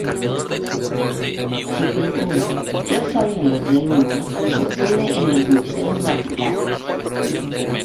Su pintura "Yo soy la Luz del Mundo" se exhibe en los Museos Vaticanos.